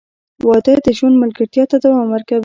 • واده د ژوند ملګرتیا ته دوام ورکوي.